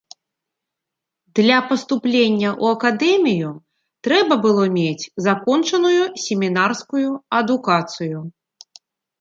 Для паступлення ў акадэмію трэба было мець закончаную семінарскую адукацыю.